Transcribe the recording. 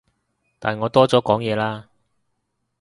但我多咗講嘢啦